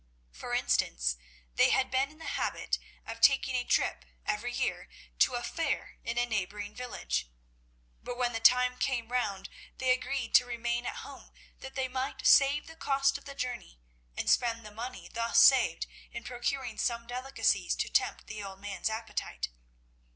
For instance, they had been in the habit of taking a trip every year to a fair in a neighbouring village; but when the time came round they agreed to remain at home that they might save the cost of the journey, and spend the money thus saved in procuring some delicacies to tempt the old man's appetite.